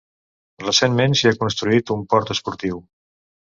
Recentment, s'hi ha construït un port esportiu.